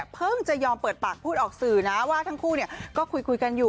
เพิ่งจะยอมเปิดปากพูดออกสื่อนะว่าทั้งคู่ก็คุยกันอยู่